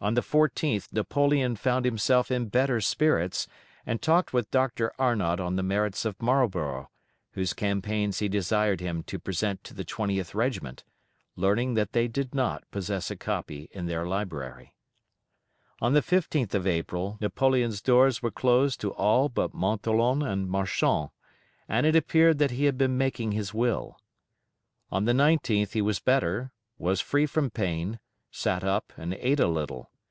On the 14th Napoleon found himself in better spirits, and talked with Dr. Arnott on the merits of Marlborough, whose Campaigns he desired him to present to the 20th Regiment, learning that they did not, possess a copy in their library. On the 15th of April Napoleon's doors were closed to all but Montholon and Marchand, and it appeared that he had been making his Will. On the 19th he was better, was free from pain, sat up, and ate a little.